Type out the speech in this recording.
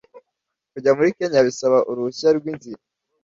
Kujya muri Kenya bisaba uruhushya rw’inzira